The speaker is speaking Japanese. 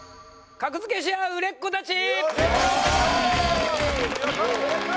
格付けしあう売れっ子たち！